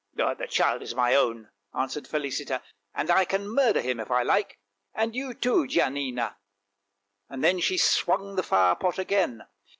" The child is my own," answered Felicita, " and I can murder him if I like, and you too, Gianina! " Then she swung the fire pot again.